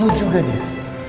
lu juga div